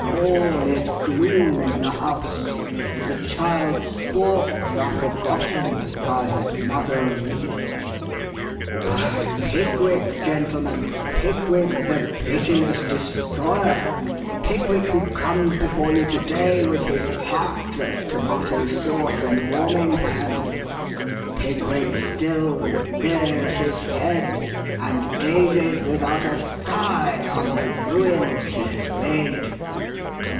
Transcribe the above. All is gloom in the house; the child's sports are forgotten while his mother weeps. But Pickwick, gentlemen, Pickwick, the pitiless destroyer Pickwick who comes before you to day with his heartless tomato sauce and warming pans Pickwick still rears his head, and gazes without a sigh on the ruins he has made.